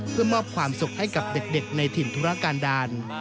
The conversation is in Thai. เพื่อมอบความสุขให้กับเด็กในถิ่นธุรการดาล